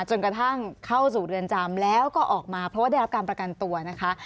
จนกระทั่งเข้าสู่เรือนจำแล้วก็ออกมาเพราะว่าได้รับการประกันตัวนะคะ